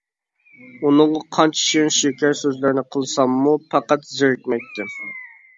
ئۇنىڭغا قانچە شېرىن-شېكەر سۆزلەرنى قىلساممۇ پەقەت زېرىكمەيتتىم.